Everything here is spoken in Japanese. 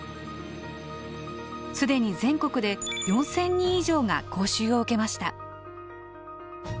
既に全国で４，０００人以上が講習を受けました。